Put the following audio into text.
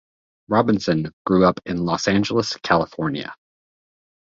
Robinson grew up in Los Angeles, California.